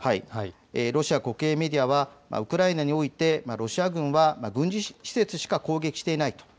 ロシア国営メディアはウクライナにおいてロシア軍は軍事施設しか攻撃していない。